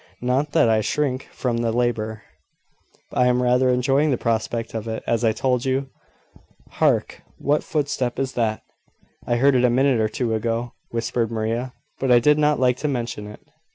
Not that I shrink from the labour: I am rather enjoying the prospect of it, as I told you. Hark! what footstep is that?" "I heard it a minute or two ago," whispered Maria, "but I did not like to mention it."